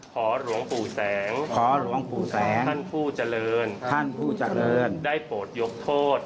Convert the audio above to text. หลวงปู่แสงขอหลวงปู่แสงท่านผู้เจริญท่านผู้เจริญได้โปรดยกโทษ